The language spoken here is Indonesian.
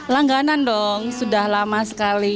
langganan dong sudah lama sekali